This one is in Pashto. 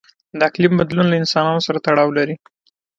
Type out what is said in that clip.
د اقلیم بدلون له انسانانو سره تړاو لري.